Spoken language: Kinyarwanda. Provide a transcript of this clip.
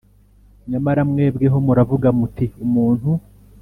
Nyamara mwebweho muravuga muti Umuntu